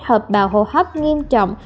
hợp bào hô hấp nghiêm trọng